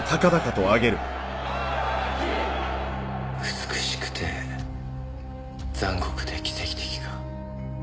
「美しくて残酷で奇跡的」か。